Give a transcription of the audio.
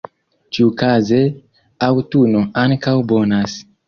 Ĉiukaze, aŭtuno ankaŭ bonas.